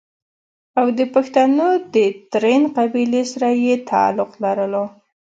او دَپښتنو دَ ترين قبيلې سره ئې تعلق لرلو